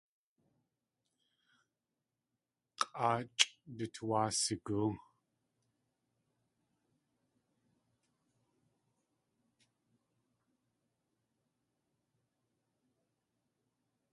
K̲ʼáachʼ du tuwáa sigóo.